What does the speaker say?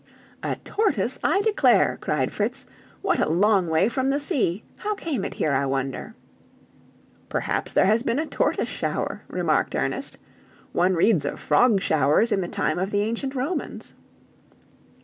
"A tortoise, I declare!" cried Fritz. "What a long way from the sea. How came it here, I wonder?" "Perhaps there has been a tortoise shower," remarked Ernest. "One reads of frog showers in the time of the ancient Romans."